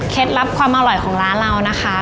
ลับความอร่อยของร้านเรานะคะ